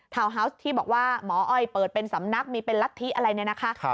ฮาวส์ที่บอกว่าหมออ้อยเปิดเป็นสำนักมีเป็นรัฐธิอะไรเนี่ยนะคะ